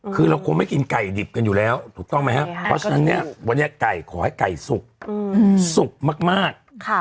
คือเราคงไม่กินไก่ดิบกันอยู่แล้วถูกต้องไหมครับเพราะฉะนั้นเนี่ยวันนี้ไก่ขอให้ไก่สุกสุกมาก